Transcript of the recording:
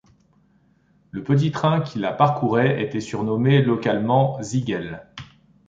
Le petit train qui la parcourait était surnommé localement Ziggel.